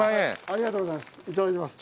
ありがとうございます。